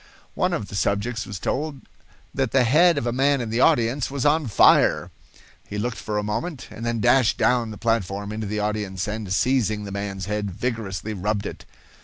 One of the subjects was told that the head of a man in the audience was on fire. He looked for a moment, and then dashed down the platform into the audience, and, seizing the man's head, vigorously rubbed it.